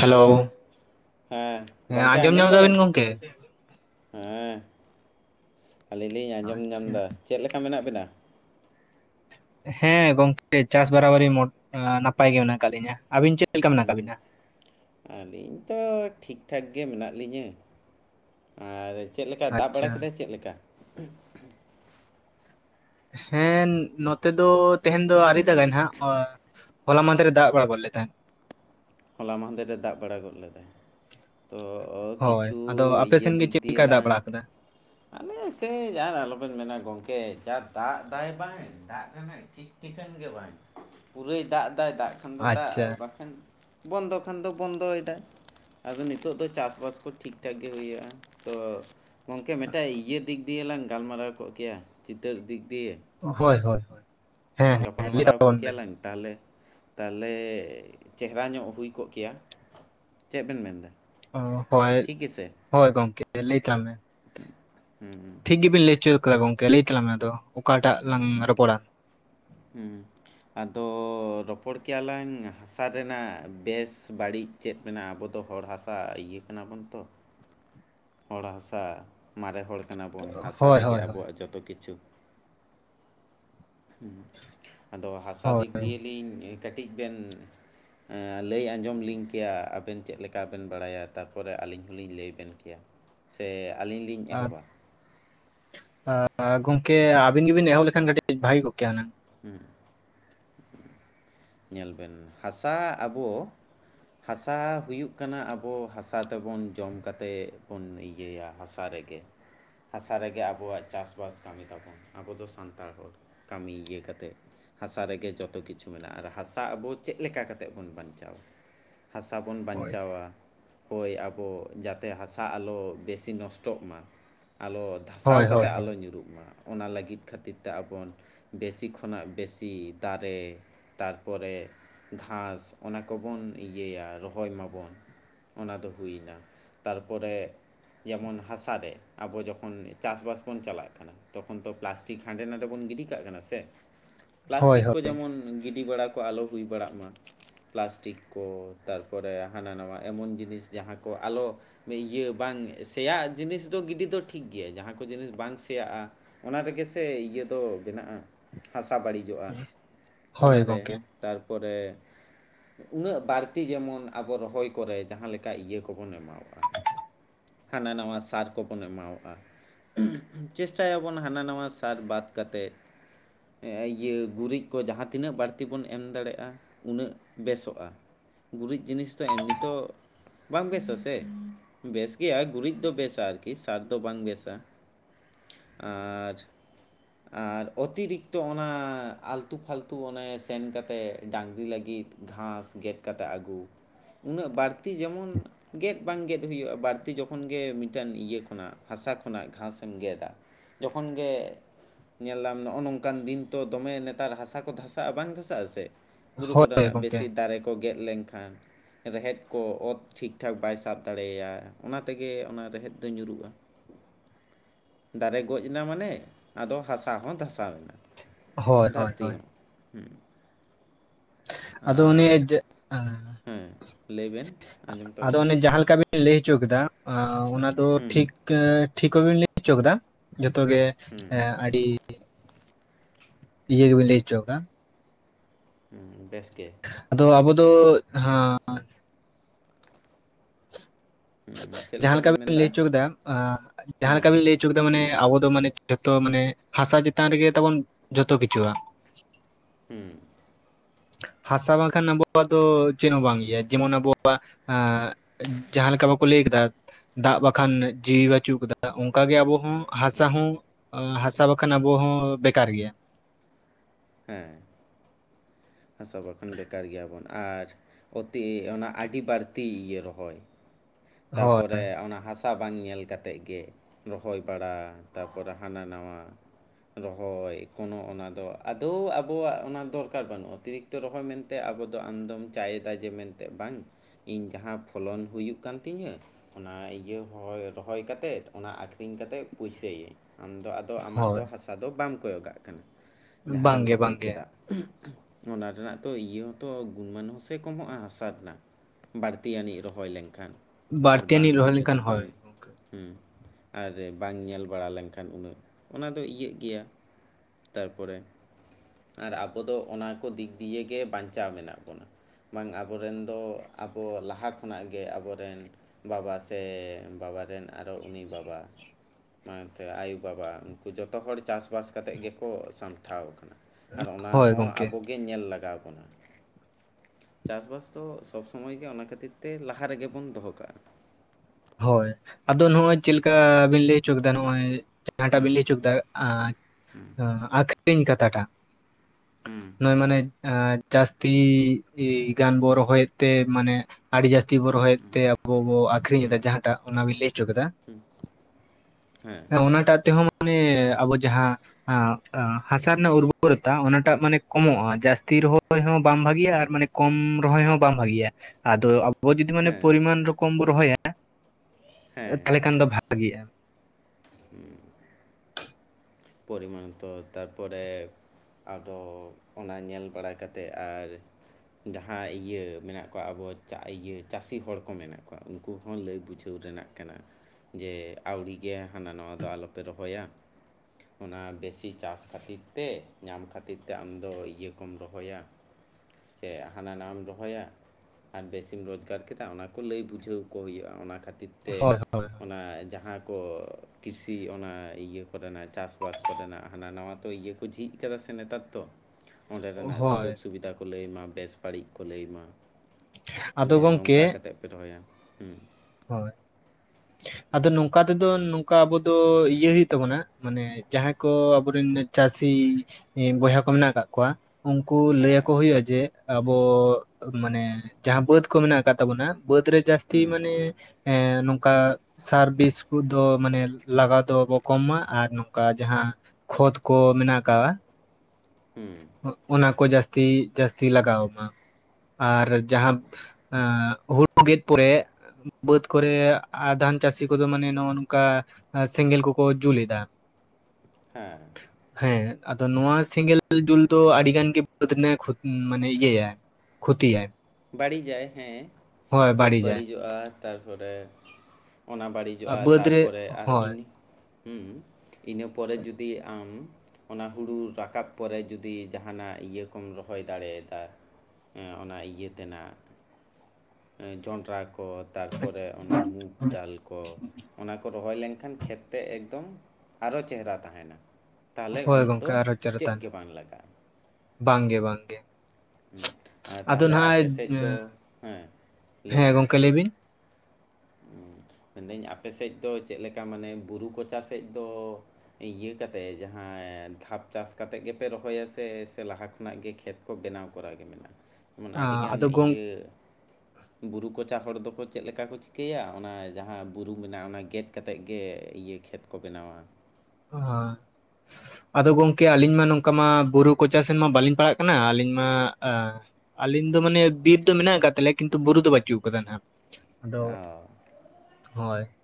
Hello hello ᱦᱮᱸ ᱦᱮᱸ ᱜᱚᱝᱠᱮ ᱟᱸᱡᱚᱢ ᱧᱟᱢ ᱫᱟᱵᱤᱱ ᱫᱟᱵᱮᱱ? ᱜᱚᱝᱠᱮ? ᱦᱮᱸ, ᱟᱹᱞᱤᱧ ᱞᱤᱧ ᱟᱸᱡᱚᱢ ᱧᱟᱢ ᱮᱫᱟ ᱪᱮᱫ ᱞᱮᱠᱟ ᱢᱮᱱᱟᱜ ᱵᱮᱱᱟ? ᱦᱮᱸ ᱜᱚᱝᱠᱮ ᱪᱟᱥ ᱵᱟᱨᱟᱵᱟᱨᱤ ᱢᱚᱴ ᱱᱟᱯᱟᱭ ᱜᱮ ᱢᱮᱱᱟᱜᱟ ᱠᱟᱞᱤᱧᱟ ᱾ ᱟᱵᱤᱱ ᱪᱮᱫ ᱞᱮᱠᱟ ᱢᱮᱱᱟᱜ ᱦᱩᱸ ᱟᱠᱟᱫ ᱵᱤᱱᱟ? ᱟᱹᱞᱤᱧ ᱛᱚ ᱴᱷᱤᱠ ᱴᱷᱟᱠ ᱜᱮ ᱢᱮᱱᱟᱜ ᱞᱤᱧᱟᱹ ᱾ ᱟᱨ ᱪᱮᱫ ᱞᱮᱠᱟ ᱫᱟᱜ ᱵᱟᱲᱟ ᱟᱪᱪᱷᱟ ᱠᱮᱫᱟ ᱪᱮᱫ ᱞᱮᱠᱟ? ᱦᱮᱸᱱ ᱱᱚᱛᱮ ᱫᱚ ᱛᱮᱦᱮᱧ ᱫᱚ ᱟᱹᱨᱤ ᱫᱟᱜᱟᱭ ᱱᱟᱦᱟᱜ ᱦᱚᱞᱟ ᱢᱟᱫᱷᱮᱨ ᱮ ᱫᱟᱜ ᱵᱟᱲᱟ ᱠᱚᱞ ᱞᱮ ᱛᱟᱦᱮᱸᱱ ᱾ ᱦᱚᱞᱟ ᱢᱟᱦᱫᱮ ᱨᱮ ᱫᱟᱜ ᱵᱟᱲᱟ ᱜᱚᱫ ᱞᱮᱫᱟᱭ ᱾ ᱛᱚ ᱦᱳᱭ ᱠᱤᱪᱩ ᱟᱫᱚ ᱟᱯᱮ ᱤᱭᱟᱹ ᱥᱮᱱ ᱜᱮ ᱫᱤᱠ ᱪᱮᱫ ᱞᱮᱠᱟᱭ ᱫᱟᱜ ᱫᱤᱭᱟᱞᱟᱝ ᱵᱟᱲᱟ ᱾ ᱟᱠᱟᱫᱟ? ᱟᱞᱮ ᱥᱮ ᱟᱨ ᱟᱞᱚᱵᱮᱱ ᱢᱮᱱᱟ ᱜᱚᱝᱠᱮ ᱡᱟ ᱫᱟᱜ ᱫᱟᱭ ᱵᱟᱝ ᱮ ᱫᱟᱜ ᱨᱮᱱᱟᱜ ᱪᱮᱫ ᱴᱷᱤᱠ ᱴᱷᱤᱠᱟᱹᱱ ᱜᱮ ᱵᱟᱝ ᱾ ᱯᱩᱨᱟᱹᱭ ᱫᱟᱜ ᱫᱟᱭ ᱫᱟᱜ ᱠᱷᱟᱱ ᱫᱚ ᱫᱟᱜ ᱟᱪᱪᱷᱟ ᱟᱨ ᱵᱟᱝᱠᱷᱟᱱ ᱵᱚᱱᱫᱚ ᱠᱷᱟᱱ ᱫᱚ ᱵᱚᱱᱫᱚᱭᱮᱫᱟᱭ ᱾ ᱟᱫᱚ ᱱᱤᱛᱚᱜ ᱫᱚ ᱪᱟᱥᱵᱟᱥ ᱠᱚ ᱴᱷᱤᱠ ᱴᱷᱟᱠ ᱜᱮ ᱦᱩᱭᱩᱜᱼᱟ ᱛᱚ ᱜᱚᱝᱠᱮ [unintelligible] [unintelligible] ᱴᱟᱜ ᱤᱭᱟᱹ ᱫᱤᱠ ᱫᱤᱭᱮ ᱞᱟᱝ ᱜᱟᱞᱢᱟᱨᱟᱣ ᱠᱚᱜ ᱜᱮᱭᱟ, ᱪᱤᱛᱟᱹᱠ ᱫᱤᱠ ᱫᱤᱭᱮ ᱾ ᱦᱚᱭ ᱦᱚᱭ ᱜᱟᱯᱟᱞ ᱢᱟᱨᱟᱣ ᱠᱚᱜ ᱠᱮᱭᱟ ᱞᱟᱝ ᱾ ᱛᱟᱦᱚᱞᱮ ᱛᱟᱦᱚᱞᱮ ᱪᱮᱦᱨᱟ ᱧᱚᱜ ᱦᱩᱭ ᱠᱚᱜ ᱠᱮᱭᱟ ᱾ ᱪᱮᱫ ᱵᱮᱱ ᱢᱮᱱ ᱮᱫᱟ? ᱚ ᱦᱚᱭ ᱦᱟᱭ ᱜᱚᱝᱠᱮ ᱞᱟᱹᱭ ᱛᱟ ᱢᱮ ᱾ ᱦᱩᱸ ᱦᱩᱸ [unintelligible] ᱴᱷ ᱜᱮᱵᱤ ᱞᱟᱹᱭ ᱦᱚᱪᱚᱣ ᱠᱟᱫᱟ ᱜᱚᱝᱠᱮ ᱞᱟᱹᱭ ᱛᱟᱞᱟᱝ ᱢᱮ ᱟᱫᱚ ᱚᱠᱟᱴᱟᱜ ᱞᱟᱝ ᱨᱚᱯᱚᱲᱟ? ᱦᱩᱸ ᱾ ᱟᱫᱚ ᱨᱚᱯᱚᱲ ᱠᱮᱭᱟ ᱞᱟᱝ ᱦᱟᱥᱟ ᱨᱮᱱᱟᱜ ᱵᱮᱥ ᱵᱟᱹᱲᱤᱡ ᱾ ᱪᱮᱫ ᱢᱮᱱᱟᱜᱼᱟ ᱟᱵᱚ ᱫᱚ ᱦᱚᱲ ᱦᱟᱥᱟ ᱤᱭᱟᱹ ᱠᱟᱱᱟᱵᱚᱱ ᱛᱚ ᱾ ᱦᱚᱲ ᱦᱟᱥᱟ ᱢᱟᱨᱮ ᱦᱚᱲ ᱠᱟᱱᱟ ᱵᱚᱱ ᱦᱟᱥᱟ ᱦᱳᱭ ᱨᱮᱜᱮ ᱦᱳᱭ ᱦᱳᱭ ᱟᱵᱚᱣᱟᱜ ᱡᱚᱛᱚ ᱠᱤᱪᱷᱩ ᱾ ᱦᱩᱸ ᱟᱫᱚ ᱦᱟᱥᱟ ᱦᱳᱭ ᱫᱤᱠ ᱫᱤᱭᱮᱞᱞᱤᱧ ᱠᱟᱹᱴᱤᱡ ᱵᱮᱱ ᱞᱟᱹᱭ ᱟᱸᱧᱡᱚᱢ ᱞᱤᱧ ᱠᱮᱭᱟ ᱟᱵᱮᱱ ᱪᱮᱫ ᱞᱮᱠᱟ ᱵᱮᱱ ᱵᱟᱲᱟᱭᱟ ᱛᱟᱨᱯᱚᱨᱮ ᱟᱹᱞᱤᱧ ᱦᱚᱸᱞᱤᱧ ᱞᱟᱹᱭ ᱵᱮᱱ ᱠᱮᱭᱟ ᱥᱮ ᱟᱹᱞᱤᱧ ᱞᱤᱧ ᱮᱦᱚᱵᱟ? ᱜᱚᱝᱠᱮ ᱟᱹᱵᱤᱱ ᱜᱮᱵᱮᱱ ᱮᱦᱚᱵ ᱞᱮᱠᱷᱟᱱ ᱠᱟᱹᱴᱤᱡ ᱵᱷᱟᱹᱜᱤ ᱠᱚᱜ ᱠᱮᱭᱟ ᱦᱩᱱᱟᱹᱝ ᱾ ᱦᱩᱸ ᱧᱮᱞ ᱵᱮᱱ ᱦᱟᱥᱟ ᱟᱵᱚ ᱦᱟᱥᱟ ᱦᱩᱭᱩᱜ ᱠᱟᱱᱟ ᱟᱵᱚ ᱦᱟᱥᱟ ᱛᱮᱵᱚᱱ ᱡᱚᱢ ᱠᱟᱛᱮᱫ ᱵᱚᱱ ᱤᱭᱟᱹᱭᱟ ᱦᱟᱥᱟ ᱨᱮᱜᱮ ᱾ ᱦᱟᱥᱟ ᱨᱮᱜᱮ ᱟᱵᱚᱣᱟᱜ ᱪᱟᱥ ᱵᱟᱥ ᱠᱟᱹᱢᱤ ᱛᱟᱵᱚᱱ, ᱟᱵᱚ ᱫᱚ ᱥᱟᱱᱛᱟᱲ ᱦᱚᱲ ᱠᱟᱹᱢᱤ ᱠᱟᱛᱮ ᱾ ᱦᱟᱥᱟ ᱨᱮᱜᱮ ᱡᱚᱛᱚ ᱠᱤᱪᱷᱩ ᱢᱮᱱᱟᱜᱼᱟ ᱾ ᱟᱨ ᱦᱟᱥᱟ ᱟᱵᱚ ᱪᱮᱫ ᱞᱮᱠᱟ ᱠᱟᱛᱮᱜ ᱵᱚᱱ ᱵᱟᱧᱪᱟᱣᱟ? ᱦᱟᱥᱟ ᱵᱚᱱ ᱦᱳᱭ ᱵᱟᱧᱪᱟᱣᱟ᱾ ᱦᱚᱭ ᱟᱵᱚ ᱡᱟᱛᱮ ᱦᱟᱥᱟ ᱟᱞᱚ ᱵᱮᱥᱤ ᱱᱚᱥᱴᱚᱜ ᱢᱟ, ᱟᱞᱚ ᱫᱷᱟᱥᱟᱣ ᱦᱳᱭ ᱦᱳᱭ ᱠᱟᱛᱮ ᱦᱳᱭ ᱟᱞᱚ ᱧᱩᱨᱩᱜ ᱢᱟ ᱚᱱᱟ ᱞᱟᱹᱜᱤᱫ ᱠᱷᱟᱹᱛᱤᱨ ᱛᱮ ᱟᱵᱚ ᱵᱮᱥᱤ ᱠᱷᱚᱱᱟᱜ ᱵᱮᱥᱤ ᱫᱟᱨᱮ ᱛᱟᱨᱯᱚᱨᱮ ᱜᱷᱟᱥ ᱚᱱᱟ ᱠᱚᱵᱚᱱ ᱤᱭᱟᱹᱭᱟ ᱨᱚᱦᱚᱭ ᱢᱟᱵᱚᱱ ᱾ ᱚᱱᱟ ᱫᱚ ᱦᱩᱭᱱᱟ ᱛᱟᱨ ᱯᱚᱨᱮ ᱡᱮᱢᱚᱱ ᱦᱟᱥᱟ ᱨᱮ ᱟᱵᱚ ᱡᱚᱠᱷᱚᱱ ᱪᱟᱥ ᱵᱟᱥ ᱵᱚᱱ ᱪᱟᱞᱟᱜ ᱠᱟᱱᱟ᱾ ᱛᱚᱠᱷᱚᱱ ᱛᱚ ᱯᱞᱟᱥᱴᱤᱠ ᱦᱟᱸᱰᱮ ᱱᱟᱰᱮ ᱵᱚᱱ ᱜᱤᱰᱤ ᱠᱟᱜ ᱠᱟᱱᱟ ᱥᱮ? ᱦᱳᱭ ᱯᱞᱟᱥᱴᱤᱠ ᱠᱚ ᱦᱳᱭ ᱡᱮᱢᱚᱱ ᱜᱤᱰᱤ ᱵᱟᱲᱟ ᱠᱚ ᱟᱞᱚ ᱦᱩᱭ ᱵᱟᱲᱟᱜ ᱢᱟ᱾ ᱯᱞᱟᱥᱴᱤᱠ ᱠᱚ ᱛᱟᱨᱯᱚᱨᱮ ᱦᱟᱱᱟ ᱱᱟᱣᱟ ᱮᱢᱚᱱ ᱡᱤᱱᱤᱥ ᱡᱟᱦᱟᱸ ᱠᱚ ᱟᱞᱚ ᱤᱭᱟᱹ ᱵᱟᱝ ᱥᱮᱭᱟᱜ ᱡᱤᱱᱤᱥ ᱫᱚ ᱜᱤᱰᱤ ᱫᱚ ᱴᱷᱤᱠ ᱜᱮᱭᱟ ᱡᱟᱦᱟᱸ ᱠᱚ ᱡᱤᱱᱤᱥ ᱵᱟᱝ ᱥᱮᱭᱟᱜᱼᱟ᱾ ᱚᱱᱟ ᱨᱮᱜᱮ ᱥᱮ ᱤᱭᱟᱹ ᱫᱚ ᱵᱮᱱᱟᱜᱼᱟ, ᱦᱟᱥᱟ ᱵᱟᱹᱲᱤᱡᱚᱜᱼᱟ ᱚᱱᱟ ᱦᱳᱭ ᱨᱮ᱾ ᱜᱚᱝᱠᱮ ᱛᱟᱨᱯᱚᱨᱮ ᱩᱱᱟᱹᱜ ᱵᱟᱲᱛᱤ ᱡᱮᱢᱚᱱ ᱟᱵᱚ ᱨᱚᱦᱚᱭ ᱠᱚᱨᱮ ᱡᱟᱦᱟᱸ ᱞᱮᱠᱟ ᱤᱭᱟᱹ ᱠᱚᱵᱚᱱ ᱮᱢᱟᱣᱟᱜᱼᱟ᱾ ᱦᱟᱱᱟ ᱱᱟᱣᱟ ᱥᱟᱨ ᱠᱚᱵᱚᱱ ᱮᱢᱟᱣᱟᱜᱼᱟ᱾ ᱪᱮᱥᱴᱟᱭᱟᱵᱚᱱ ᱦᱟᱱᱟ ᱱᱟᱣᱟ ᱥᱟᱨ ᱵᱟᱫ ᱠᱟᱛᱮᱫ᱾ ᱤᱭᱟᱹ ᱜᱩᱨᱤᱡ ᱠᱚ ᱡᱟᱦᱟᱸ ᱛᱤᱱᱟᱹᱜ ᱵᱟᱹᱲᱛᱤ ᱵᱚᱱ ᱮᱢ ᱫᱟᱲᱮᱭᱟᱜᱼᱟ ᱩᱱᱟᱹᱜ ᱵᱮᱥᱚᱜᱼᱟ᱾ ᱜᱩᱨᱤᱡ ᱡᱤᱱᱤᱥ ᱫᱚ ᱮᱢᱱᱤ ᱛᱚ ᱵᱟᱝ ᱵᱮᱥ ᱟᱥᱮ ᱾ᱵᱮᱥ ᱜᱮᱭᱟ ᱜᱩᱨᱤᱡ ᱫᱚ ᱵᱮᱥᱟ ᱟᱨᱠᱤ ᱥᱟᱨ ᱫᱚ ᱵᱟᱝ ᱵᱮᱥᱟ᱾ ᱟᱨ ᱟᱨ ᱚᱛᱤᱨᱤᱠ ᱛᱚ ᱚᱱᱟ ᱟᱞᱛᱩ ᱯᱷᱟᱞᱛᱩ ᱚᱱᱮ ᱥᱮᱱ ᱠᱟᱛᱮ ᱰᱟᱝᱨᱤ ᱞᱟᱹᱜᱤᱫ ᱜᱷᱟᱸᱥ ᱜᱮᱫ ᱠᱟᱛᱮ ᱟᱹᱜᱩ ᱩᱱᱟᱹᱜ ᱵᱟᱹᱲᱛᱤ ᱡᱮᱢᱚᱱ ᱜᱮᱫ ᱵᱟᱝ ᱜᱮᱫ ᱦᱩᱭᱩᱜᱼᱟ ᱵᱟᱹᱲᱛᱤ ᱡᱚᱠᱷᱚᱱ ᱜᱮ ᱢᱤᱫ ᱴᱟᱱ ᱤᱭᱟᱹ ᱠᱷᱚᱱᱟᱜ ᱦᱟᱥᱟ ᱠᱷᱚᱱᱟᱜ ᱜᱷᱟᱥᱮᱢ ᱜᱮᱫᱟ᱾ ᱡᱚᱠᱷᱚᱱ ᱜᱮ ᱧᱮᱞᱫᱟᱢ ᱱᱚᱜᱼᱚ ᱱᱚᱝᱠᱟ᱾ ᱠᱟᱱ ᱫᱤᱱ ᱛᱚ ᱫᱚᱢᱮ ᱱᱮᱛᱟᱨ ᱦᱟᱥᱟ ᱠᱚ ᱫᱷᱟᱥᱟᱜᱼᱟ ᱵᱟᱝ ᱫᱷᱟᱥᱟᱜᱼᱟ ᱥᱮ, ᱵᱩᱨᱩ ᱦᱳᱭ ᱠᱚᱨᱮᱱᱟᱜ ᱜᱚᱝᱠᱮ ᱵᱮᱥᱤ ᱫᱟᱨᱮ ᱠᱚ ᱜᱮᱫ ᱞᱮᱱᱠᱷᱟᱱ ᱨᱮᱦᱮᱫ ᱠᱚ ᱚᱛ ᱴᱷᱤᱠ ᱴᱷᱟᱠ ᱵᱟᱭ ᱥᱟᱵ ᱫᱟᱲᱮᱭᱟᱭᱟ ᱚᱱᱟ ᱛᱮᱜᱮ ᱚᱱᱟ ᱨᱮᱦᱮᱫ ᱫᱚ ᱧᱩᱨᱩᱜᱼᱟ᱾ ᱫᱟᱨᱮ ᱜᱚᱡ ᱮᱱᱟ ᱢᱟᱱᱮ ᱟᱫᱚ ᱦᱟᱥᱟ ᱦᱚᱸ ᱫᱷᱟᱥᱟᱣᱮᱱᱟ᱾ ᱦᱳᱭ ᱦᱳᱭ ᱫᱷᱟᱹᱨᱛᱤ ᱦᱳᱭ ᱦᱚᱸ ᱟᱫᱚ ᱟᱨ, ᱦᱮᱸ [unintelligible] ᱞᱟᱹᱭ ᱵᱤᱱ ᱟᱫᱚ ᱚᱱᱮ ᱡᱟᱦᱟᱸᱞᱮᱠᱟ ᱵᱮᱱ ᱞᱟᱹᱭ ᱦᱚᱪᱚ ᱠᱮᱫᱟ ᱚᱱᱟ ᱫᱚ ᱴᱷᱤᱠ ᱴᱷᱤᱠ ᱦᱚᱸᱵᱤᱱ ᱞᱟᱹᱭ ᱦᱚᱪᱚ ᱠᱮᱫᱟ ᱡᱚᱛᱚ ᱜᱮ ᱟᱹᱰᱤ, ᱤᱭᱟᱹ ᱜᱮᱵᱤᱱ ᱞᱟᱹᱭ ᱦᱚᱪᱚᱠᱟ᱾ ᱦᱩᱸ ᱵᱮᱥ ᱜᱮ ᱟᱫᱚ ᱟᱵᱚ ᱫᱚ ᱦᱟᱸ ᱪᱮᱫ ᱞᱮᱠᱟ ᱡᱟᱦᱟᱸᱞᱮᱠᱟ ᱵᱮᱱ ᱵᱤᱱ ᱢᱮᱱᱫᱟ ᱞᱟᱹᱭ ᱦᱚᱪᱚ ᱠᱮᱫᱟ᱾ ᱡᱟᱦᱟᱸ ᱞᱮᱠᱟ ᱵᱤᱱ ᱞᱟᱹᱭ ᱦᱚᱪᱚ ᱠᱮᱫᱟ ᱢᱟᱱᱮ ᱟᱵᱚ ᱫᱚ ᱢᱟᱱᱮ ᱡᱷᱚᱛᱚ ᱢᱟᱱᱮ ᱦᱟᱥᱟ ᱪᱮᱛᱟᱱ ᱨᱮᱜᱮ ᱛᱟᱵᱚᱱ᱾ ᱡᱚᱛᱚ ᱠᱤᱪᱷᱩᱣᱟᱜ᱾ ᱦᱮᱸ ᱦᱟᱥᱟ ᱵᱟᱝ ᱠᱷᱟᱱ ᱟᱵᱚᱣᱟᱜ ᱫᱚ ᱪᱮᱫ ᱦᱚᱸ ᱵᱟᱝ ᱜᱮᱭᱟ ᱡᱮᱢᱚᱱ ᱟᱵᱚᱣᱟᱜ, ᱟ ᱡᱟᱦᱟᱸ ᱞᱮᱠᱟ ᱵᱚ ᱠᱚ ᱞᱟᱹᱭ ᱠᱮᱫᱟ ᱫᱟᱜ ᱵᱟᱠᱷᱟᱱ ᱡᱤᱣᱤ ᱵᱟᱹᱪᱩᱜ ᱠᱮᱫᱟ ᱚᱱᱠᱟ ᱜᱮ ᱟᱵᱚ ᱦᱚᱸ ᱦᱟᱥᱟ ᱦᱚᱸ, ᱦᱟᱸᱥᱟ ᱵᱟᱠᱷᱟᱱ ᱟᱵᱚ ᱦᱚᱸ ᱵᱮᱠᱟᱨ ᱜᱮᱭᱟ᱾ ᱦᱮᱸ ᱦᱟᱥᱟ ᱵᱟᱠᱷᱟᱱ ᱵᱮᱠᱟᱨ ᱜᱮᱭᱟ ᱵᱚᱱ ᱟᱨ ᱚᱛᱤ ᱚᱱᱟ ᱟᱹᱰᱤ ᱵᱟᱹᱲᱛᱤ ᱤᱭᱟᱹ ᱨᱚᱦᱚᱭ, ᱦᱳᱭ ᱛᱟᱨᱯᱚᱨ ᱨᱮ ᱚᱱᱟ ᱦᱟᱥᱟ ᱵᱟᱝ ᱧᱮᱞ ᱠᱟᱛᱮᱫ ᱜᱮ ᱨᱚᱦᱚᱭ ᱵᱟᱲᱟ ᱛᱟᱯᱚᱨᱮ ᱦᱟᱱᱟ ᱱᱟᱣᱟ ᱨᱚᱦᱚᱭ ᱠᱳᱱᱳ ᱚᱱᱟ ᱫᱚ ᱟᱫᱚ ᱟᱵᱚᱣᱟᱜ ᱚᱱᱟ ᱫᱚᱨᱠᱟᱨ ᱵᱟᱹᱱᱩᱜᱼᱟ᱾ ᱚᱛᱤᱨᱤᱠᱛᱚ ᱨᱚᱦᱚᱭ ᱢᱮᱱᱛᱮ ᱟᱵᱚ ᱫᱚ ᱟᱢᱫᱚᱢ ᱪᱟᱭ ᱮᱫᱟ ᱡᱮ ᱢᱮᱱᱛᱮ ᱵᱟᱝ᱾ ᱤᱧ ᱡᱟᱦᱟᱸ ᱯᱷᱚᱞᱚᱱ ᱦᱩᱭᱩᱜ ᱠᱟᱱ ᱛᱤᱧᱟᱹ ᱚᱱᱟ ᱤᱭᱟᱹ ᱨᱚᱦᱚᱭ ᱠᱟᱛᱮᱫ ᱚᱱᱟ ᱟᱠᱷᱨᱤᱧ ᱠᱟᱛᱮᱫ ᱯᱩᱭᱥᱟᱹᱭᱟᱹᱧ ᱟᱢᱫᱚ ᱟᱫᱚ, ᱟᱢᱟᱜ ᱦᱳᱭ ᱫᱚ ᱦᱟᱥᱟ ᱫᱚ ᱵᱟᱢ ᱠᱚᱭᱚᱜᱟᱜ ᱠᱟᱱᱟ ᱡᱟᱦᱟᱸᱨᱮᱢ ᱵᱟᱝᱜᱮ ᱨᱚᱦᱚᱭ ᱵᱟᱝᱜᱮ ᱠᱮᱫᱟ᱾ ᱚᱱᱟ ᱨᱮᱱᱟᱜ ᱛᱚ ᱤᱭᱟᱹ ᱦᱚᱸᱛᱚ ᱜᱩᱱᱢᱟᱱ ᱦᱚᱸᱥᱮ ᱠᱚᱢᱚᱜᱼᱟ ᱦᱟᱥᱟ ᱨᱮᱱᱟᱜ᱾ ᱵᱟᱹᱲᱛᱤ ᱟᱹᱱᱤᱡ ᱨᱚᱦᱚᱭ ᱞᱮᱱᱠᱷᱟᱱ ᱟᱨ ᱵᱟᱹᱲᱛᱤ ᱵᱟᱝ ᱟᱹᱱᱤᱡ ᱨᱚᱦᱚᱭ ᱡᱩᱫᱤ ᱞᱮᱱᱠᱷᱟᱱ ᱦᱳᱭ ᱵᱟᱢ ᱜᱚᱝᱠᱮ ᱦᱩᱸ, ᱟᱨ ᱵᱟᱝ ᱧᱮᱞ ᱵᱟᱲᱟ ᱞᱮᱱᱠᱷᱟᱱ ᱩᱱᱟᱹᱜ ᱚᱱᱟ ᱫᱚ ᱤᱭᱟᱹᱜ ᱜᱮᱭᱟ᱾ ᱛᱟᱨ ᱯᱚᱨᱮ ᱟᱨ ᱟᱵᱚ ᱫᱚ ᱚᱱᱟ ᱠᱚ ᱫᱤᱠ ᱫᱤᱭᱮ ᱜᱮ ᱵᱟᱧᱪᱟᱣ ᱢᱮᱱᱟᱜ ᱵᱚᱱᱟ᱾ ᱵᱟᱝ ᱟᱵᱚ ᱨᱮᱱ ᱫᱚ ᱟᱵᱚ ᱞᱟᱦᱟ ᱠᱷᱚᱱᱟᱜ ᱜᱮ ᱟᱵᱚ ᱨᱮᱱ, ᱵᱟᱵᱟ ᱥᱮ ᱵᱟᱵᱟ ᱨᱮᱱ ᱟᱨᱚ ᱩᱱᱤ ᱵᱟᱵᱟ, ᱚᱱᱟᱛᱮ ᱟᱭᱳᱼᱵᱟᱵᱟ ᱩᱱᱠᱩ ᱡᱚᱛᱚ ᱦᱚᱲ ᱪᱟᱥᱼᱵᱟᱥ ᱠᱟᱛᱮᱫ ᱜᱮᱠᱚ ᱥᱟᱢᱴᱟᱣ ᱟᱠᱟᱱᱟ᱾ ᱟᱨ ᱚᱱᱟ ᱦᱳᱭ ᱦᱚᱸ ᱜᱚᱝᱠᱮ ᱟᱵᱚ ᱜᱮ ᱧᱮᱞ ᱞᱟᱜᱟᱣ ᱵᱚᱱᱟ ᱾ ᱪᱟᱥᱼᱵᱟᱥ ᱫᱚ ᱥᱚᱵᱽ ᱥᱚᱢᱚᱭ ᱜᱮ ᱚᱱᱟ ᱠᱷᱟᱹᱛᱤᱨ ᱛᱮ ᱞᱟᱦᱟ ᱨᱮᱜᱮ ᱵᱚᱱ ᱫᱚᱦᱚ ᱠᱟᱜᱼᱟ᱾ ᱦᱳᱭ ᱟᱫᱚ ᱱᱚᱜᱼᱚᱭ ᱪᱮᱫᱠᱟ ᱵᱤᱱ ᱞᱟᱹᱭ ᱦᱚᱪᱚ ᱠᱮᱫᱟ ᱱᱚᱜᱼᱚᱭ ᱡᱟᱦᱟᱸᱴᱟᱜ ᱵᱤᱱ ᱞᱟᱹᱭ ᱦᱚᱪᱚ ᱠᱮᱫᱟ ᱟᱠᱷ [unintelligible] ᱠᱟᱛᱷᱟ ᱴᱟᱜ ᱱᱚᱭ ᱢᱟᱱᱮ ᱮ ᱡᱟᱹᱥᱛᱤ ᱜᱟᱱ ᱵᱚᱱ ᱨᱚᱦᱚᱭ ᱛᱮ ᱢᱟᱱᱮ ᱟᱹᱰᱤ ᱡᱟᱹᱥᱛᱤ ᱵᱚ ᱨᱚᱦᱚᱭ ᱮᱫ ᱛᱮ ᱟᱵᱚ ᱵᱚ ᱟᱹᱠᱷᱨᱤᱧ ᱮᱫᱟ ᱾ ᱡᱟᱦᱟᱸᱴᱟᱜ ᱚᱱᱟ ᱵᱮᱤᱱ ᱞᱟᱹᱭ ᱦᱚᱪᱚ ᱠᱮᱫᱟ, ᱦᱮᱸ ᱚᱱᱟ ᱴᱟᱜ ᱛᱮᱦᱚᱸ ᱢᱟᱱᱮ ᱟᱵᱚ ᱡᱟᱦᱟᱸ ᱦᱟᱥᱟ ᱨᱮᱱᱟᱜ ᱩᱨᱵᱨᱚᱛᱟ ᱚᱱᱟ ᱴᱟᱜ ᱢᱟᱱᱮ ᱠᱚᱢᱚᱜᱼᱟ, ᱡᱟᱹᱥᱛᱤ ᱨᱚᱦᱚᱭ ᱦᱚᱸ ᱵᱟᱝ ᱵᱷᱟᱜᱤᱭᱟ ᱟᱨ ᱢᱟᱱᱮ ᱠᱚᱢ ᱨᱚᱦᱚᱭ ᱦᱚᱸ ᱵᱟᱝ ᱵᱷᱟᱜᱤᱭᱟ, ᱟᱫᱚ ᱟᱵᱚ ᱡᱩᱫᱤ ᱢᱟᱱᱮ ᱦᱮᱸ ᱯᱚᱨᱤᱢᱟᱱ ᱨᱚᱠᱚᱢ ᱵᱚ ᱨᱚᱦᱚᱭᱟ ᱦᱮᱸ ᱛᱟᱦᱚᱞᱮ ᱠᱷᱟᱱ ᱫᱚ ᱵᱷᱟᱜᱤᱜᱼᱟ ᱾ [inaudible] ᱯᱚᱨᱤᱢᱟᱱ ᱛᱚ ᱛᱟᱨ ᱯᱚᱨᱮ ᱟᱫᱚ ᱚᱱᱟ ᱧᱮᱞ ᱵᱟᱲᱟ ᱠᱟᱛᱮ ᱟᱨ ᱡᱟᱦᱟᱸ ᱤᱭᱟᱹ ᱢᱮᱱᱟᱜ ᱠᱚᱣᱟ ᱟᱵᱚ ᱪᱟ ᱤᱭᱟᱹ ᱪᱟᱹᱥᱤ ᱦᱚᱲ ᱠᱚ ᱢᱮᱱᱟᱜ ᱠᱚᱣᱟ, ᱩᱱᱠᱩ ᱦᱚᱸ ᱞᱟᱹᱭ ᱵᱩᱡᱷᱟᱹᱣ ᱨᱮᱱᱟᱜ ᱠᱟᱱᱟ ᱡᱮ ᱟᱹᱣᱲᱤ ᱜᱮ ᱦᱟᱱᱟ ᱱᱟᱣᱟ ᱫᱚ ᱟᱞᱚ ᱯᱮ ᱨᱚᱦᱚᱭᱟ ᱾ ᱚᱱᱟ ᱵᱮᱥᱤ ᱪᱟᱥ ᱠᱷᱟᱹᱛᱤᱨ ᱛᱮ ᱧᱟᱢ ᱠᱷᱟᱹᱛᱤᱨ ᱛᱮ ᱟᱢᱫᱚ ᱤᱭᱟᱹ ᱠᱚᱢ ᱨᱚᱦᱚᱭᱟ ᱥᱮ ᱦᱟᱱᱟ ᱱᱚᱣᱟᱢ ᱨᱚᱦᱚᱭᱟ ᱾ ᱟᱨ ᱵᱮᱥᱤᱢ ᱨᱚᱡᱽᱜᱟᱨ ᱠᱮᱫᱟ, ᱚᱱᱟ ᱠᱚ ᱞᱟᱹᱭ ᱵᱩᱡᱷᱟᱹᱣ ᱠᱚ ᱦᱩᱭᱩᱜᱼᱟ, ᱚᱱᱟ ᱠᱷᱟᱹᱛᱤᱨ ᱛᱮ ᱦᱳᱭ ᱦᱳᱭ ᱚᱱᱟ ᱡᱟᱦᱟᱸ ᱠᱚ ᱠᱨᱤᱥᱤ ᱚᱱᱟ ᱤᱭᱟᱹ ᱠᱚᱨᱮᱱᱟᱜ ᱪᱟᱥ ᱵᱟᱥ ᱠᱚᱨᱮᱱᱟᱜ ᱦᱟᱱᱟ ᱱᱟᱣᱟ ᱛᱚ ᱤᱭᱟᱹ ᱠᱚ ᱡᱷᱤᱡ ᱠᱟᱫᱟ ᱥᱮ ᱱᱮᱛᱟᱨ ᱛᱚ ᱚᱸᱰᱮᱱᱟᱜ ᱦᱳᱭ ᱥᱩᱡᱳᱜᱽ ᱥᱩᱵᱤᱫᱷᱟ ᱠᱚ ᱞᱟᱹᱭᱢᱟ ᱵᱮᱥ ᱵᱟᱹᱲᱤᱡ ᱠᱚ ᱞᱟᱹᱭᱢᱟ ᱟᱫᱚ ᱡᱮ ᱜᱚᱢᱠᱮ ᱱᱚᱝᱠᱟ ᱠᱟᱛᱮ ᱯᱮ ᱨᱚᱦᱚᱭᱟ ᱦᱮᱸ ᱾ ᱦᱳᱭ ᱟᱫᱚ ᱱᱚᱝᱠᱟ ᱛᱮᱫᱚ ᱱᱚᱝᱠᱟ ᱟᱵᱚ ᱫᱚ ᱤᱭᱟᱹ ᱦᱩᱭᱩᱜ ᱛᱟᱵᱚᱱᱟ ᱢᱟᱱᱮ ᱡᱟᱦᱟᱸᱭ ᱠᱚ ᱟᱵᱚᱨᱮᱱ ᱪᱟᱹᱥᱤ ᱵᱚᱭᱦᱟ ᱠᱚ ᱢᱮᱱᱟᱜ ᱟᱠᱟᱫ ᱠᱚᱣᱟ ᱩᱱᱠᱩ ᱞᱟᱹᱭ ᱟᱠᱚ ᱦᱮᱸ ᱦᱩᱭᱩᱜᱼᱟ, ᱡᱮ ᱟᱵᱚ ᱢᱟᱱᱮ ᱡᱟᱦᱟᱸ ᱵᱟᱹᱫᱽ ᱠᱚ ᱢᱮᱱᱟᱜ ᱟᱠᱟᱫ ᱛᱟᱵᱚᱱᱟ ᱵᱟᱹᱫᱽ ᱨᱮ ᱡᱟᱹᱥᱛᱤ ᱢᱟᱱᱮ ᱮ ᱱᱚᱝᱠᱟ ᱥᱟᱨ ᱵᱷᱤᱥ ᱠᱚᱫᱚ ᱢᱟᱱᱮ ᱞᱟᱜᱟᱣ ᱫᱚᱵᱚ ᱠᱚᱢᱟ ᱟᱨ ᱱᱚᱝᱠᱟ ᱡᱟᱦᱟᱸ ᱠᱷᱚᱛ ᱠᱚ ᱢᱮᱱᱟᱜ ᱟᱠᱟᱜᱼᱟ ᱚᱱᱟ ᱠᱚ ᱡᱟᱹᱥᱛᱤ ᱡᱟᱹᱥᱛᱤ ᱞᱟᱜᱟᱣᱢᱟ ᱟᱨ ᱡᱟᱦᱟᱸ ᱦᱩᱲᱩ ᱜᱮᱫ ᱯᱚᱨᱮ ᱵᱟᱹᱫᱽ ᱠᱚᱨᱮ ᱟᱫᱷᱟᱱ ᱪᱟᱹᱥᱤ ᱠᱚᱫᱚ ᱢᱟᱱᱮ ᱱᱚᱼᱚ ᱱᱚᱝᱠᱟ ᱥᱮᱸᱜᱮᱞ ᱠᱚᱠᱚ ᱡᱩ ᱞᱮᱫᱟ ᱦᱮᱸ ᱾ ᱦᱮᱸ ᱟᱫᱚ ᱱᱚᱣᱟ ᱥᱮᱸᱜᱮᱞ ᱡᱩᱞ ᱫᱚ ᱟᱹᱰᱤ ᱜᱟᱱ ᱜᱮ ᱵᱟᱹᱫᱽ ᱨᱮᱱᱟᱜ ᱠᱷᱚᱛᱤ ᱢᱟᱱᱮ ᱤᱭᱟᱹ ᱭᱟ ᱠᱷᱚᱛᱤ ᱟᱭ ᱵᱟᱹᱲᱤᱡᱟᱭ ᱦᱮᱸ ᱵᱟᱹᱫᱽ ᱵᱟᱹᱲᱤᱡᱟᱭ ᱵᱟᱹᱲᱤᱡᱚᱜᱼᱟ, ᱛᱟᱨᱯᱚᱨᱮ ᱚᱱᱟ ᱵᱟᱹᱲᱤᱡ ᱦᱤᱡᱩᱜᱼᱟ ᱵᱟᱹᱫᱽ ᱛᱟᱨ ᱨᱮ ᱯᱚᱨᱮ ᱟᱨ ᱦᱳᱭ ᱤᱱ ᱦᱩᱸ ᱤᱱᱟᱹ ᱯᱚᱨᱮ ᱡᱩᱫᱤ ᱟᱢ ᱚᱱᱟ ᱦᱩᱲᱩ ᱨᱟᱠᱟᱵ ᱯᱚᱨᱮ ᱡᱩᱫᱤ ᱡᱟᱦᱟᱱᱟᱜ ᱤᱭᱟᱹ ᱠᱚᱢ ᱨᱚᱦᱚᱭ ᱫᱟᱲᱮᱭᱟᱫᱟ ᱦᱮᱸ ᱚᱱᱟ ᱤᱭᱟᱹ ᱛᱮᱱᱟᱜ ᱮ ᱡᱚᱸᱰᱨᱟ ᱯᱚ ᱛᱟᱨ ᱯᱚᱨᱮ ᱚᱱᱟ ᱢᱩᱠ ᱰᱟᱞ ᱠᱚ ᱚᱱᱟ ᱠᱚ ᱨᱚᱦᱚᱭ ᱞᱮᱱᱠᱷᱟᱱ ᱠᱷᱮᱛ ᱛᱮ ᱮᱠᱫᱚᱢ ᱟᱨᱚ ᱪᱮᱦᱨᱟ ᱛᱟᱦᱮᱱᱟ ᱾ ᱛᱟᱦᱚᱞᱮ ᱦᱳᱭ ᱩᱱᱟᱹᱜ ᱫᱚ ᱜᱚᱝᱠᱮ ᱪᱮᱫ ᱜᱮ ᱵᱟᱝ ᱞᱟᱜᱟᱜᱼᱟ ᱾ ᱵᱟᱝ ᱜᱮ ᱵᱟᱝ ᱜᱮ ᱾ ᱟᱨ ᱟᱫᱚ ᱛᱟᱦᱚᱞᱮ ᱱᱟᱦᱟᱜ ᱟᱯᱮ ᱥᱮᱫ ᱫᱚ ᱦᱮᱸ ᱦᱮᱸ ᱜᱚᱝᱠᱮ ᱞᱟᱹᱭ ᱵᱤᱱ ᱩᱸ ᱢᱮᱱ ᱫᱟᱹᱧ ᱟᱯᱮ ᱥᱮᱡᱽ ᱫᱚ ᱪᱮᱫ ᱞᱮᱠᱟ ᱢᱟᱱᱮ ᱵᱩᱨᱩ ᱠᱚᱪᱟ ᱥᱮᱡ ᱫᱚ ᱤᱭᱟᱹ ᱠᱟᱛᱮᱜ ᱡᱟᱦᱟᱸ ᱫᱷᱟᱯ ᱪᱟᱥ ᱠᱟᱛᱮᱜ ᱜᱮᱯᱮ ᱨᱚᱦᱚᱭᱟ ᱥᱮ ᱥᱮ ᱞᱟᱦᱟ ᱠᱷᱚᱱᱟᱜ ᱜᱮ ᱠᱷᱮᱛ ᱠᱚ ᱵᱮᱱᱟᱣ ᱠᱚᱨᱟ ᱜᱮ ᱢᱮᱱᱟᱜᱼᱟ ᱾ ᱢᱟᱱᱮ ᱟᱹᱰᱤᱜᱟᱱ ᱟᱫᱚ ᱜᱚᱝ ᱤᱭᱟᱹ ᱵᱩᱨᱩ ᱠᱚᱪᱟ ᱦᱚᱲ ᱫᱚᱠᱚ ᱪᱮᱫ ᱞᱮᱠᱟ ᱠᱚ ᱪᱤ ᱠᱮᱭᱟ ᱚᱱᱟ ᱡᱟᱦᱟᱸ ᱵᱩᱨᱩ ᱢᱮᱱᱟᱜᱼᱟ, ᱚᱱᱟ ᱜᱮᱫ ᱠᱟᱛᱮᱫ ᱜᱮ ᱤᱭᱟᱹ ᱠᱷᱮᱛ ᱠᱚ ᱵᱮᱱᱟᱣᱟ᱾ ᱦᱚᱸ ᱟᱫᱚ ᱜᱚᱝᱠᱮ, ᱟᱹᱞᱤᱧ ᱢᱟ ᱱᱚᱝᱠᱟ ᱢᱟ ᱵᱩᱨᱩ ᱠᱚᱪᱟ ᱥᱮᱱ ᱢᱟ ᱵᱟᱞᱤᱧ ᱯᱟᱲᱟᱜ ᱠᱟᱱᱟ ᱟᱹᱞᱤᱧ ᱢᱟ ᱟ ᱟᱞᱤᱧ ᱫᱚ ᱢᱟᱱᱮ ᱵᱤᱨ ᱫᱚ ᱢᱮᱱᱟᱜ ᱟᱠᱟᱫ ᱛᱟᱞᱮᱭᱟ ᱠᱤᱱᱛᱩ ᱵᱩᱨᱩ ᱫᱚ ᱵᱟᱹᱪᱩᱜᱽ ᱟᱠᱟᱫᱟ ᱱᱟᱦᱟᱜ ᱾ ᱟᱫᱚ ᱦᱳᱭ ᱾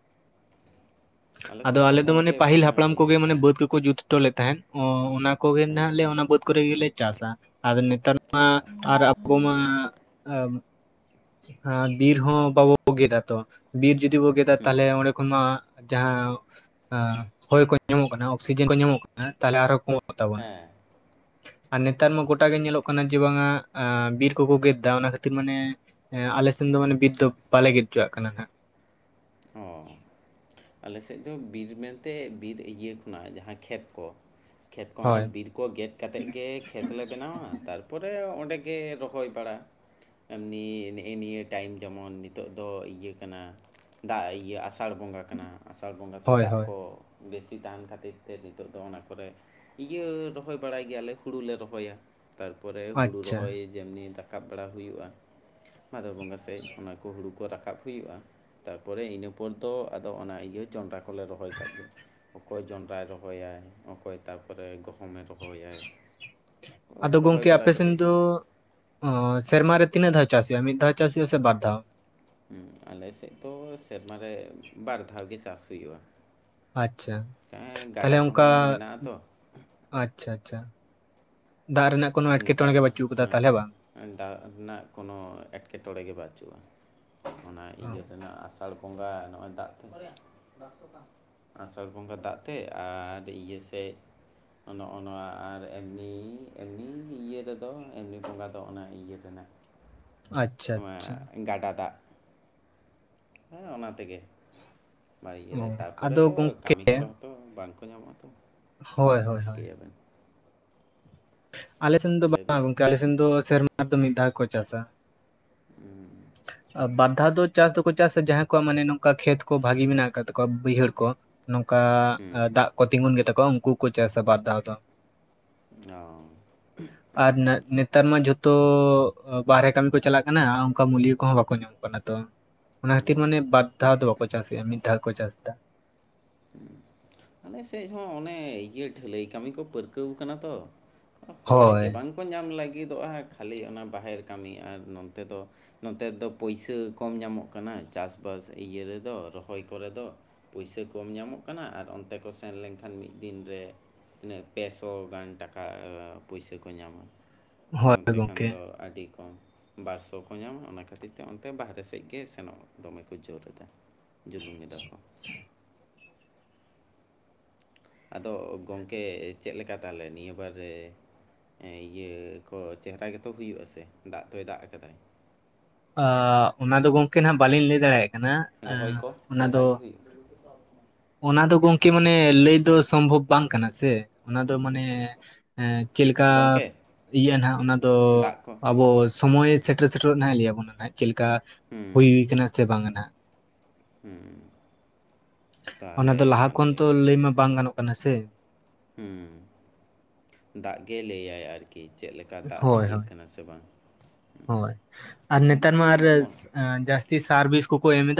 ᱟᱞᱮ ᱥᱮᱫ ᱫᱚ ᱜᱚᱝᱠᱮ ᱚᱱᱮ ᱤᱭᱟᱹ ᱦᱮᱸ ᱾ ᱠᱟᱹ ᱠᱚ ᱡᱩᱛ ᱦᱚᱴᱚ ᱞᱮ ᱛᱟᱦᱮᱸᱱ ᱚᱱᱟ ᱠᱚᱜᱮ ᱱᱟᱦᱟᱜ ᱞᱮ ᱚᱱᱟ ᱵᱟᱹᱫᱽ ᱠᱚᱨᱮ ᱜᱮᱞᱮ ᱪᱟᱥᱟ ᱟᱫᱚ ᱱᱤ ᱱᱮᱛᱟᱨ ᱢᱟ ᱟᱨ ᱟᱵᱚ ᱢᱟ ᱦᱮᱸ ᱵᱤᱨ ᱦᱚᱸ ᱵᱟᱵᱚ ᱜᱮᱫᱟ ᱟᱛᱚ ᱵᱤᱨ ᱡᱩᱫᱤ ᱵᱚ ᱜᱮᱫᱟ ᱛᱟᱦᱞᱮ ᱚᱸᱰᱮ ᱠᱷᱚᱢᱟᱜᱽ ᱡᱟᱦᱟᱸ ᱦᱚᱭ ᱠᱚ ᱧᱟᱢᱚᱜ ᱠᱟᱱᱟ ᱚᱠᱥᱤᱡᱮᱱ ᱠᱚ ᱧᱟᱢᱚᱜ ᱠᱟᱱᱟ᱾ ᱛᱟᱦᱞᱮ ᱟᱨᱚᱸ ᱠᱚ ᱦᱮᱸ, ᱟᱨ ᱱᱮᱛᱟᱨ ᱢᱟ ᱜᱚᱴᱟ ᱜᱮ ᱴᱷᱤᱠ ᱧᱮᱞᱚᱜ ᱠᱟᱱᱟ ᱡᱮ ᱵᱟᱝᱟ ᱟᱹᱻ ᱵᱤᱨ ᱠᱚᱠᱚ ᱜᱮᱫ ᱫᱟ ᱚᱱᱟ ᱠᱷᱟᱹᱛᱤᱨ ᱢᱟᱱᱮ ᱮ ᱟᱞᱮ ᱥᱮᱱ ᱫᱚ ᱢᱟᱱᱮ ᱵᱤᱨ ᱫᱚ ᱵᱟᱞᱮ ᱜᱮᱫ ᱪᱚᱣᱟᱜ ᱠᱟᱱᱟ ᱦᱟᱜ᱾ ᱚ, ᱟᱞᱮᱥᱮᱫ ᱫᱚ ᱵᱤᱨ ᱢᱮᱱᱛᱮ ᱵᱤᱨ ᱤᱭᱟᱹ ᱠᱷᱚᱱᱟᱜ ᱡᱟᱦᱟᱸ ᱠᱷᱮᱛ ᱠᱚ ᱠᱷᱮᱛ ᱠᱚ ᱚᱱᱟ ᱦᱳᱭ ᱵᱤᱨ ᱠᱚ ᱜᱮᱫ ᱠᱟᱛᱮᱫ ᱜᱮ ᱠᱷᱮᱛ ᱞᱮ ᱵᱮᱱᱟᱣᱟ᱾ ᱛᱟᱨᱯᱚᱨᱮ ᱚᱸᱰᱮ ᱜᱮ ᱨᱚᱦᱚᱭ ᱵᱟᱲᱟ ᱮᱢᱱᱤ ᱱᱮᱜ-ᱮ ᱱᱤᱭᱟᱹ ᱴᱟᱭᱤᱢ ᱡᱮᱢᱚᱱ ᱱᱤᱛᱚᱜ ᱫᱚ ᱤᱭᱟᱹ ᱠᱟᱱᱟ ᱫᱟᱜ ᱤᱭᱟᱹ ᱟᱥᱟᱲ ᱵᱚᱸᱜᱟ ᱠᱟᱱᱟ ᱟᱥᱟᱲ ᱵᱚᱸᱜᱟ ᱫᱚ ᱦᱳᱭ ᱫᱟᱜ ᱦᱳᱭ ᱠᱚ ᱵᱮᱥᱤ ᱛᱟᱦᱮᱱ ᱠᱷᱟᱹᱛᱤᱨ ᱛᱮ ᱱᱤᱛᱚᱜ ᱫᱚ ᱚᱱᱟ ᱠᱚᱨᱮ ᱤᱭᱟᱹ ᱨᱚᱦᱚᱭ ᱵᱟᱲᱟᱭ ᱜᱮᱭᱟᱞᱮ ᱦᱩᱲᱩ ᱞᱮ ᱨᱚᱦᱚᱭᱟ᱾ ᱛᱟᱨ ᱯᱚᱨᱮ ᱦᱩᱲᱩ ᱟᱪᱪᱷᱟ ᱨᱚᱦᱚᱭ ᱡᱮᱢᱱᱤ ᱨᱟᱠᱟᱵ ᱵᱟᱲᱟ ᱦᱩᱭᱩᱜ-ᱟ, ᱵᱷᱟᱸᱫᱚᱨ ᱵᱚᱸᱜᱟ ᱥᱮᱡᱽ ᱚᱱᱟ ᱠᱚ ᱦᱩᱲᱩ ᱠᱚ ᱨᱟᱠᱟᱵ ᱦᱩᱭᱩᱜ-ᱟ᱾ ᱛᱟᱨᱯᱚᱨᱮ ᱤᱱᱟᱹ ᱯᱚᱨ ᱫᱚ ᱟᱫᱚ ᱚᱱᱟ ᱤᱭᱟᱹ ᱡᱚᱱᱰᱨᱟ ᱠᱚᱞᱮ ᱨᱚᱦᱚᱭ ᱠᱟᱜᱽ ᱜᱮ᱾ ᱚᱠᱚᱭ ᱡᱚᱸᱰᱨᱟᱭ ᱨᱚᱦᱚᱭᱟᱭ ᱚᱠᱚᱭ ᱛᱟ ᱯᱚᱨᱮ ᱜᱚᱦᱚᱢᱮ ᱨᱚᱦᱚᱭᱟᱭ ᱚ ᱟᱫᱚ ᱨᱚᱦᱚᱭ ᱜᱚᱝᱠᱮ ᱵᱟᱲᱟ ᱟᱯᱮ ᱥᱮᱱ ᱠᱟᱛᱮᱫ ᱜᱮ᱾ ᱫᱚ ᱚ ᱥᱮᱨᱢᱟ ᱨᱮ ᱛᱤᱱᱟᱹᱜ ᱫᱷᱟᱣ ᱪᱟᱥ ᱦᱩᱭᱩᱜ-ᱟ ᱢᱤᱫ ᱫᱷᱟᱣ ᱪᱟᱥ ᱦᱩᱭᱩᱜ-ᱟ ᱥᱮ ᱵᱟᱨ ᱫᱷᱟᱣ? ᱦᱩ ᱟᱞᱮ ᱥᱮᱡᱽ ᱫᱚ ᱥᱮᱨᱢᱟ ᱨᱮ ᱵᱟᱨ ᱫᱷᱟᱣ ᱜᱮ ᱪᱟᱥ ᱦᱩᱭᱩᱜ-ᱟ᱾ ᱟᱪᱪᱷᱟ ᱦᱮ ᱜᱟᱰᱟ ᱛᱟᱦᱚᱞᱮ ᱠᱚᱦᱚᱸ ᱚᱱᱠᱟ ᱢᱮᱱᱟᱜ-ᱟᱛᱚ᱾ ᱟᱪᱪᱷᱟ ᱟᱪᱪᱷᱟ ᱫᱟᱜ ᱨᱮᱱᱟᱜ ᱠᱳᱱᱳ ᱮᱴᱠᱮᱴᱚᱬᱮ ᱫᱟᱜ ᱜᱮ ᱵᱟᱪᱩᱜ ᱟᱠᱟᱫᱟ ᱛᱟᱦᱞᱮ ᱵᱟᱝ᱾ ᱫᱟᱜ ᱨᱮᱱᱟᱜ ᱠᱳᱱᱳ ᱮᱴᱠᱮᱴᱚᱬᱮ ᱜᱮ ᱵᱟᱹᱪᱩᱜ-ᱟ᱾ ᱚᱱᱟ ᱤᱭᱟᱹ ᱚ, ᱨᱮᱱᱟᱜ ᱟᱥᱟᱲ ᱵᱚᱸᱜᱟ ᱱᱚᱜ-ᱚᱭ ᱫᱟᱜ ᱛᱮ᱾ ᱚᱠᱚᱨᱭᱟ ᱵᱟᱠᱥᱚ ᱛᱟᱢ, ᱟᱥᱟᱲ ᱵᱚᱸᱜᱟ ᱫᱟᱜ ᱛᱮ ᱟᱨ ᱤᱭᱟᱹ ᱥᱮᱡᱽ ᱱᱚᱜ-ᱚ ᱚᱱᱟ ᱟᱨ ᱮᱢᱱᱤ ᱮᱢᱱᱤ ᱤᱭᱟᱹ ᱨᱮᱫᱚ ᱮᱢᱱᱤ ᱵᱚᱸᱜᱟ ᱫᱚ ᱚᱱᱟ ᱤᱭᱟᱹ ᱨᱮᱱᱟᱜ᱾ ᱟᱪᱪᱷᱟ ᱚᱣᱟ ᱟᱪᱪᱷᱟ ᱜᱟᱰᱟ ᱫᱟᱜ᱾ ᱦᱮ ᱚᱱᱟ ᱛᱮᱜᱮ ᱢᱟᱨ ᱤᱭᱟᱹ ᱛᱮ ᱚ ᱛᱟᱨᱯᱚᱨᱮ ᱟᱫᱚ ᱛᱚ ᱠᱟᱹᱢᱤ ᱜᱚᱝᱠᱮ ᱦᱚᱲᱚ ᱛᱚ ᱵᱟᱝ ᱠᱚ ᱧᱟᱢᱚᱜ-ᱟ ᱛᱚ᱾ ᱦᱳᱭ ᱦᱳᱭ ᱦᱳᱭ᱾ ᱪᱤᱠᱟᱹᱭᱟᱵᱮᱱ ᱟᱞᱮᱥᱮᱱ ᱫᱚ ᱞᱟᱹᱭ ᱵᱮᱱ ᱵᱟᱝ ᱜᱚᱝᱠᱮ ᱟᱞᱮᱥᱮᱱ ᱫᱚ ᱥᱮᱨᱢᱟ ᱨᱮ ᱫᱚ ᱢᱤᱫ ᱫᱷᱟᱣ ᱜᱮ ᱠᱚ ᱪᱟᱥᱟ᱾ ᱵᱟᱨᱫᱷᱟᱣ ᱫᱚ ᱪᱟᱥ ᱫᱚᱠᱚ ᱪᱟᱥᱟ ᱡᱟᱦᱟᱸᱭ ᱠᱚᱣᱟᱜ ᱢᱟᱱᱮ ᱱᱚᱝᱠᱟ ᱠᱷᱮᱛ ᱠᱚ ᱵᱷᱟᱜᱤ ᱢᱮᱱᱟᱜ ᱟᱠᱟᱫ ᱛᱟᱠᱚᱣᱟ ᱵᱟᱹᱭᱦᱟᱹᱲ ᱠᱚ᱾ ᱱᱚᱝᱠᱟ ᱦᱮᱸ ᱫᱟᱜ ᱠᱚ ᱛᱤᱜᱩᱱ ᱜᱮᱛᱟ ᱠᱚᱣᱟ ᱩᱱᱠᱩᱠᱩ ᱪᱟᱥᱟ ᱵᱟᱨ ᱫᱷᱟᱣ ᱫᱚ᱾ ᱚ, [unintelligible] ᱟᱨ ᱱᱮᱛᱟᱨ ᱢᱟ ᱡᱷᱚᱛᱚ ᱵᱟᱨᱦᱮ ᱠᱟᱹᱢᱤ ᱠᱚ ᱪᱟᱞᱟᱜ ᱠᱟᱱᱟ ᱚᱱᱠᱟ ᱢᱩᱞᱭᱳ ᱠᱚᱦᱚᱸ ᱵᱟᱠᱚ ᱧᱟᱢ ᱠᱟᱱᱟ ᱛᱚ᱾ ᱚᱱᱟ ᱠᱷᱟᱹᱛᱤᱨ ᱢᱟᱱᱮ ᱵᱟᱨ ᱫᱷᱟᱣ ᱫᱚ ᱵᱟᱠᱚ ᱪᱟᱥ ᱮᱜ-ᱟ ᱢᱤᱫ ᱫᱷᱟᱣ ᱜᱮᱠᱚ ᱪᱟᱥ ᱮᱫᱟ᱾ ᱟᱞᱮ ᱥᱮᱡ ᱦᱚᱸ ᱚᱱᱮ ᱤᱭᱟᱹ ᱰᱷᱟᱹᱞᱟᱹᱭ ᱠᱟᱹᱢᱤ ᱠᱚ ᱯᱟᱹᱨᱠᱟᱹᱣ ᱠᱟᱱᱟ ᱛᱚ᱾ ᱦᱚᱲ ᱜᱮ ᱦᱳᱭ ᱵᱟᱝᱠᱚ ᱧᱟᱢ ᱞᱟᱹᱜᱤᱫᱚᱜ-ᱟ, ᱠᱷᱟᱹᱞᱤ ᱚᱱᱟ ᱵᱟᱦᱮᱨ ᱠᱟᱹᱢᱤ ᱟᱨ ᱱᱚᱱᱛᱮ ᱫᱚ ᱱᱚᱛᱮ ᱫᱚ ᱯᱩᱭᱥᱟᱹ ᱠᱚᱢ ᱧᱟᱢᱚᱜ ᱠᱟᱱᱟ ᱪᱟᱥ-ᱵᱟᱥ ᱤᱭᱟᱹ ᱨᱮᱫᱚ ᱨᱚᱦᱚᱭ ᱠᱚᱨᱮ ᱫᱚ᱾ ᱯᱩᱭᱥᱟᱹ ᱠᱚᱢ ᱧᱟᱢᱚᱜ ᱠᱟᱱᱟ, ᱟᱨ ᱚᱱᱛᱮ ᱠᱚ ᱥᱮᱱ ᱞᱮᱱᱠᱷᱟᱱ ᱢᱤᱫ ᱫᱤᱱ ᱨᱮ ᱩᱱᱟᱹᱜ ᱯᱮᱥᱚ ᱜᱟᱱ ᱴᱟᱠᱟ ᱯᱩᱭᱥᱟᱹ ᱠᱚ ᱧᱟᱢᱟ᱾ ᱟᱨ ᱦᱳᱭ ᱱᱚᱛᱮ ᱠᱷᱟᱱ ᱜᱚᱝᱠᱮ ᱫᱚ ᱟᱹᱰᱤ ᱠᱚᱢ᱾ ᱵᱟᱨᱥᱚ ᱠᱚ ᱧᱟᱢᱟ ᱚᱱᱟ ᱠᱷᱟᱹᱛᱤᱨ ᱛᱮ ᱚᱱᱛᱮ ᱵᱟᱨᱦᱮ ᱥᱮᱫ ᱜᱮ ᱥᱮᱱᱚᱜ ᱫᱚᱢᱮ ᱠᱚ ᱡᱳᱨ ᱮᱫᱟ᱾ ᱡᱩᱞᱩᱝ ᱮᱫᱟ ᱠᱚ᱾ ᱟᱫᱚ ᱜᱚᱝᱠᱮ ᱪᱮᱫ ᱞᱮᱠᱟ ᱛᱟᱦᱞᱮ ᱱᱤᱭᱟᱹ ᱵᱟᱨ ᱨᱮ? ᱮ ᱤᱭᱟᱹ ᱠᱚ ᱪᱮᱦᱨᱟ ᱜᱮᱛᱚ ᱦᱩᱭᱩᱜ-ᱟ ᱥᱮ ᱫᱟᱜ ᱛᱚᱭ ᱫᱟᱜ ᱟᱠᱟᱫᱟ᱾ ᱟ ᱚᱱᱟᱫᱚ ᱜᱚᱝᱠᱮ ᱱᱟᱦᱟᱜ ᱵᱟᱞᱤᱧ ᱞᱟᱹᱭ ᱫᱟᱲᱮᱭᱟᱜ ᱠᱟᱱᱟ᱾ ᱨᱚᱦᱚᱭ ᱠᱚ ᱚᱱᱟ ᱫᱚ, ᱪᱮᱦᱨᱟ ᱜᱮ ᱦᱩᱭᱩᱜ ᱚᱱᱟ ᱫᱚ ᱜᱚᱝᱠᱮ ᱢᱟᱱᱮ ᱞᱟᱹᱭ ᱫᱚ ᱥᱚᱢᱵᱷᱚᱵᱽ ᱵᱟᱝ ᱠᱟᱱᱟ ᱥᱮ ᱚᱱᱟ ᱫᱚ ᱢᱟᱱᱮ, ᱮᱸ ᱪᱮᱫ ᱞᱮᱠᱟ ᱜᱚᱢᱠᱮ ᱤᱭᱟᱹ ᱱᱟᱦᱟᱜ ᱚᱱᱟ ᱫᱚ ᱫᱟᱜ ᱠᱚ ᱟᱵᱚ ᱥᱚᱢᱚᱭᱮ ᱥᱮᱴ ᱥᱮᱴᱮᱨᱚᱜ ᱥᱮᱴᱮᱨᱚᱜ ᱱᱟᱦᱟᱜ ᱮ ᱞᱟᱹᱭᱟ ᱵᱚᱱᱟ ᱱᱟᱜ ᱪᱮᱫ ᱞᱮᱠᱟ ᱦᱩᱭ ᱦᱩᱭᱠᱟᱱᱟ ᱥᱮ ᱵᱟᱝᱟ ᱱᱟᱦᱟᱜ᱾ ᱦᱩᱸ ᱚᱱᱟ ᱫᱚ ᱞᱟᱦᱟ ᱠᱷᱚᱱ ᱛᱚ ᱞᱟᱹᱭ ᱢᱟ ᱵᱟᱝ ᱜᱟᱱᱚᱜ ᱠᱟᱱᱟ ᱥᱮ᱾ ᱦᱩᱸ, ᱫᱟᱜᱽ ᱜᱮ ᱞᱟᱹᱭᱟᱭ ᱟᱨᱠᱤ᱾ ᱠᱤ ᱪᱮᱫ ᱞᱮᱠᱟ ᱫᱟᱜ ᱦᱳᱭ ᱦᱳᱭ ᱤᱭᱟᱹᱜ ᱠᱟᱱᱟ ᱥᱮ ᱵᱟᱝ? ᱦᱳᱭ ᱟᱨ ᱱᱮᱛᱟᱨ ᱚᱱᱛᱮ ᱟᱨ ᱫᱚ ᱢᱟ᱾ ᱡᱟᱹᱥᱛᱤ ᱥᱟᱨ ᱵᱤᱥ ᱠᱚᱠᱚ ᱮᱢᱮᱫᱟ᱾